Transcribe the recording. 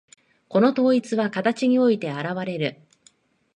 この統一は形において現われる。